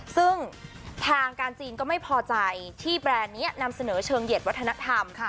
ซึ่งทางการจีนก็ไม่พอใจที่แบรนด์นี้นำเสนอเชิงเหยียดวัฒนธรรม